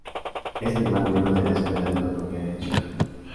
Es además miembro de la Escuela de Economía de Chicago.